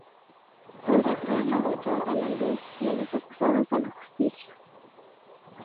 Podrá traer la verdad a la luz y a los acusados a la justicia?